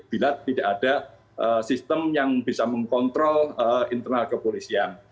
bila tidak ada sistem yang bisa mengkontrol internal kepolisian